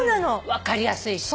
分かりやすいし。